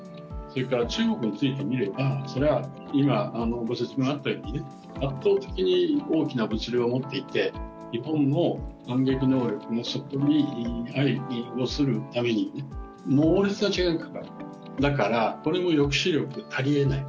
中国について見れば、今、ご説明があったように圧倒的に大きな物量を持っていて日本の反撃能力を、そこに相当する場合に猛烈な時間がかかる、だからこれも抑止力たりえない。